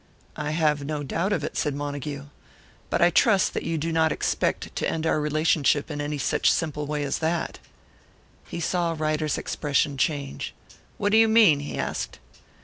"I have no doubt of it," said Montague. "But I trust that you do not expect to end our relationship in any such simple way as that." He saw Ryder's expression change. "What do you mean?" he asked.